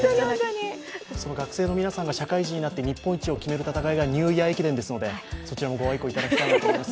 学生の皆さんが社会人になって日本一を決める駅伝がニューイヤー駅伝ですのでそちらもご愛顧いただきたいと思います。